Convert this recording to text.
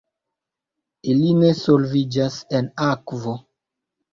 Ili ne solviĝas en akvo.